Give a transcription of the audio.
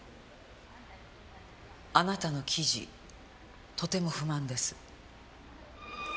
あなたの記事とても不満です。